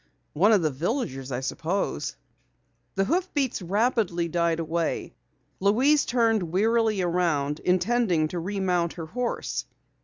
One of the villagers, I suppose." The hoofbeats rapidly died away. Louise turned wearily around, intending to remount her horse.